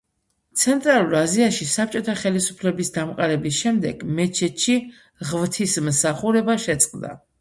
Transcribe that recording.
ცენტრალურ აზიაში საბჭოთა ხელისუფლების დამყარების შემდეგ მეჩეთში ღვთისმსახურება შეწყდა.